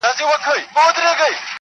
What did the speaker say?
بد بوټۍ بلا نه وهي -